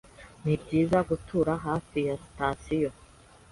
Nibyiza gutura hafi ya sitasiyo.